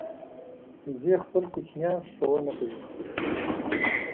وزې خپل کوچنیان ښوونه کوي